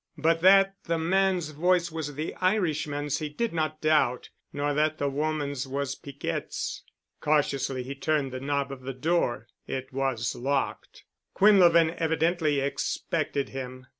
But that the man's voice was the Irishman's he did not doubt, nor that the woman's was Piquette's. Cautiously he turned the knob of the door. It was locked. Quinlevin evidently expected him.